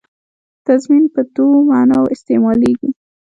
تضمین په دوو معناوو استعمالېږي.